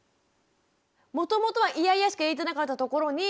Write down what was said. もともとはイヤイヤしか言えてなかったところに